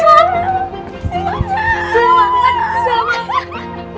semangat semangat semangat